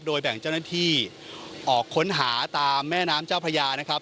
โดยแบ่งเจ้าหน้าที่ออกค้นหาตามแม่น้ำเจ้าพระยานะครับ